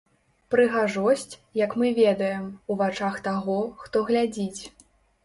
Прыгажосць, як мы ведаем, у вачах таго, хто глядзіць.